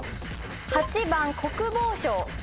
８番国防省。